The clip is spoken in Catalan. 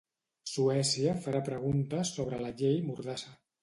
Suècia farà preguntes sobre la llei mordassa.